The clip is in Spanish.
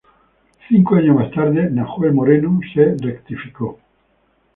Cinco años más tarde Nahuel Moreno se rectificó.